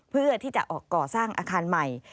เพื่อที่จะออกก่อสร้างอาคารใหม่